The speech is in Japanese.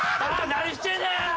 何してんねん！